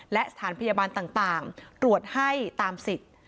และสถานพยาบาลต่างตรวจให้ตามสิทธิ์